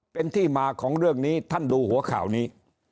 เป็นที่มาของเรื่องนี้ท่านดูหัวข่าวนี้